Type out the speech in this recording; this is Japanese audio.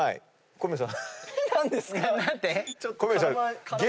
小宮さん。